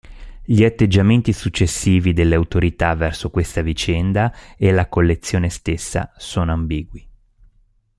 Gli atteggiamenti successivi delle autorità verso questa vicenda e la collezione stessa sono ambigui.